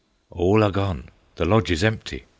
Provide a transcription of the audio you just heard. "All are gone! the lodge is empty!"